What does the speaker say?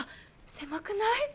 狭くない！？